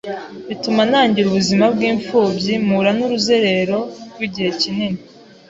bituma ntangira ubuzima bw’imfubyi mpura n’uruzerero rw’igihe kinini